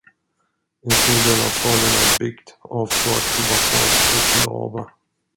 En stor del av staden är byggd av svart basalt och lava.